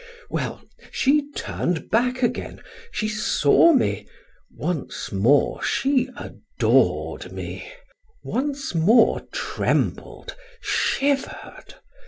Well, she turned back again, she saw me, once more she adored me, once more trembled, shivered.